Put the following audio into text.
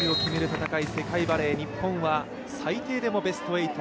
戦い世界バレー、日本は最低でもベスト８。